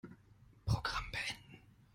Programm beenden.